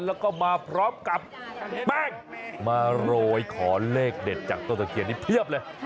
แล้วก็มาพร้อมกับแป้งมาโรยขอเลขเด็ดจากต้นตะเคียนนี้เพียบเลย